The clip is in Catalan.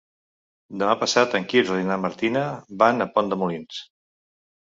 Demà passat en Quirze i na Martina van a Pont de Molins.